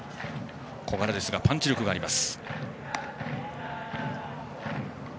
小柄ですがパンチ力があります。